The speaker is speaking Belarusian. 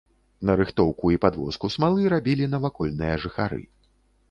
Нарыхтоўку і падвозку смалы рабілі навакольныя жыхары.